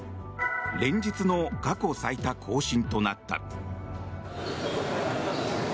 連日の過去最多更新となった。